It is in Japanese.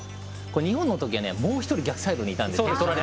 日本のときはね、もう一人逆サイドにいたんですよ。